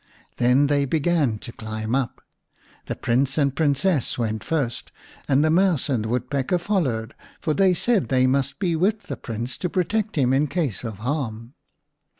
Then they began to climb up. The Prince and Princess went first, and the Mouse and the Woodpecker followed, for they said they must be with the Prince, to protect him in case of harm.